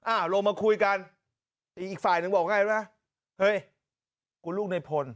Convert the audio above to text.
อ่าลงมาคุยกันอีกฝ่ายหนึ่งบอกง่ายนะเฮ้ยกูลูกในพล